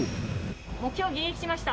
目標迎撃しました。